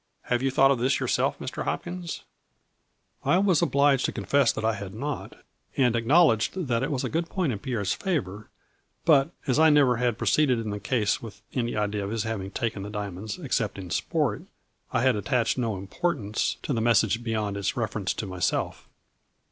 Have you thought of this yourself, Mr. Hopkins ?" I was obliged to confess that I had not, and acknowledged that it was a good point in Pierre's favor, but, as I never had proceeded in the case with any idea of his having taken the diamonds, except in sport, I had attached no importance to the message beyond its reference to myself.